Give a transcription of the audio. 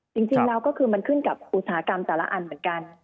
จริงแล้วก็คือมันขึ้นกับอุตสาหกรรมแต่ละอันเหมือนกัน